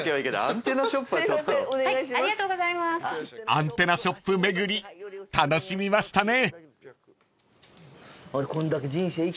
［アンテナショップ巡り楽しみましたね］